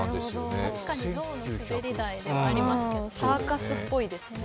確かにゾウのすべり台ではあります、サーカスっぽいですね。